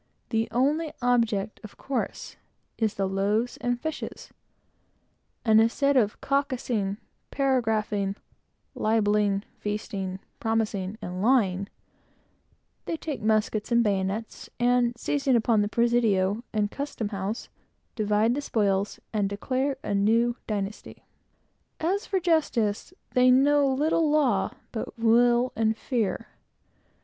The only object, of course, is the loaves and fishes; and instead of caucusing, paragraphing, libelling, feasting, promising, and lying, as with us, they take muskets and bayonets, and seizing upon the presidio and custom house, divide the spoils, and declare a new dynasty. As for justice, they know no law but will and fear.